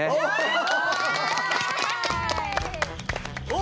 お！